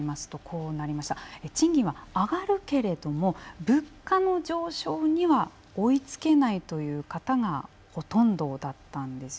賃金は上がるけれども物価の上昇には追いつけないという方がほとんどだったんですよね。